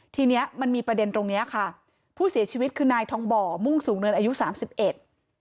ทีเนี้ยมันมีประเด็นตรงเนี้ยค่ะผู้เสียชีวิตคือนายทองบ่อมุ่งสูงเนินอายุสามสิบเอ็ด